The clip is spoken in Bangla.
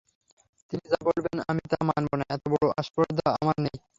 তিনি যা বলবেন আমি তা মানব না এতবড়ো আস্পর্ধা আমার নেই।